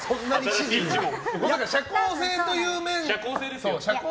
社交性という面ですよね。